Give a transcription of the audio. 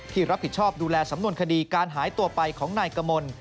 รับผิดชอบดูแลสำนวนคดีการหายตัวไปของนายกมล